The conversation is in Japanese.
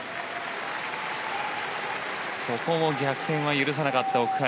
ここも逆転は許さなかった奥原。